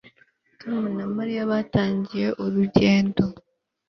Tom na Mariya batangiye urugendo